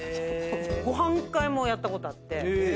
ご飯会もやったことあって。